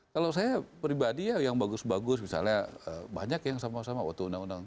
kalau saya pribadi ya yang bagus bagus misalnya banyak yang sama sama waktu undang undang